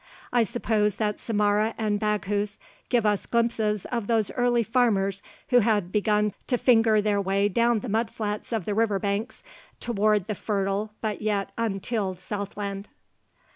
I suppose that Samarra and Baghouz give us glimpses of those early farmers who had begun to finger their way down the mud flats of the river banks toward the fertile but yet untilled southland.